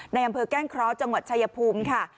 ในอำเภอแก้งเคราะห์จังหวัดชายภูมิค่ะ